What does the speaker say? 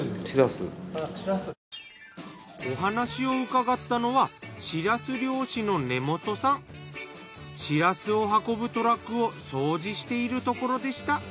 お話を伺ったのはシラス漁師のシラスを運ぶトラックを掃除しているところでした。